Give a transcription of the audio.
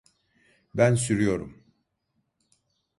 Ben sürüyorum.